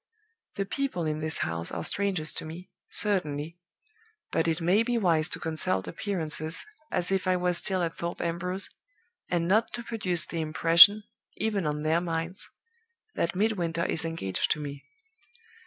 The people in this house are strangers to me, certainly; but it may be wise to consult appearances, as if I was still at Thorpe Ambrose, and not to produce the impression, even on their minds, that Midwinter is engaged to me.